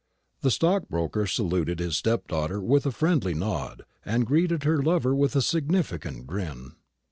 The stockbroker saluted his stepdaughter with a friendly nod, and greeted her lover with a significant grin.